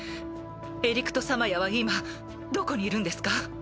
エリクト・サマヤは今どこにいるんですか？